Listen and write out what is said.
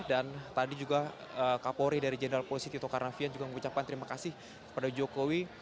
dan tadi juga kak polri dari jenderal polisi tito karnavian juga mengucapkan terima kasih kepada jokowi